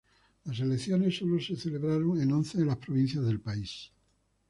Las elecciones solo se celebraron en once de las provincias del país.